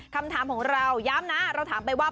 คำถามของเราย้ำนะเราถามไปว่า